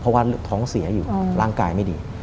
เพราะว่าท้องเสียอยู่ร่างกายไม่ดี